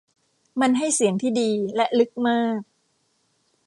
มันให้เสียงที่ดีและลึกมาก